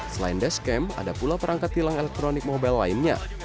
selain dashcam ada pula perangkat tilang elektronik mobile lainnya